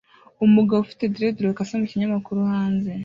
Umugabo ufite dreadlock asoma ikinyamakuru hanze